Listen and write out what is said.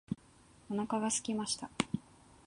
お腹がすきました。